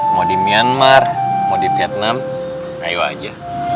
mau di myanmar mau di vietnam ayo aja